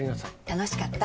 楽しかった？